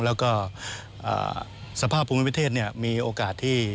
แล้วก็สภาพภูมิประเทศมีโอกาสที่